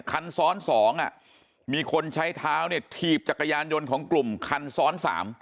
คันซ้อน๒มีคนใช้เท้าเนี่ยถีบจักรยานยนต์ของกลุ่มคันซ้อน๓